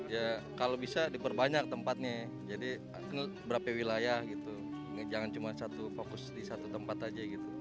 ya kalau bisa diperbanyak tempatnya jadi berapa wilayah gitu jangan cuma satu fokus di satu tempat aja gitu